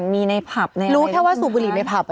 เมื่อก่อนมีในผับ